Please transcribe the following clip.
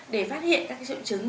để phát hiện các triệu chứng